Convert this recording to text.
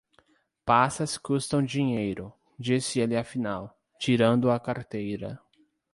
Passas custam dinheiro, disse ele afinal, tirando a carteira.